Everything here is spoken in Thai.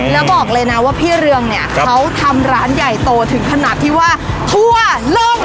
แล้วบอกเลยนะว่าพี่เรืองเนี่ยเขาทำร้านใหญ่โตถึงขนาดที่ว่าทั่วโลก